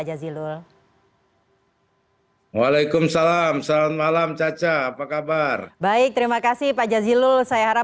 jazilul waalaikumsalam selamat malam caca apa kabar baik terima kasih pak jazilul saya harap